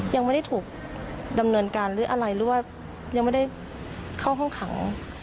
ยังไม่ได้ถูกดำเนินการหรืออะไรหรือว่ายังไม่ได้เข้าห้องขัง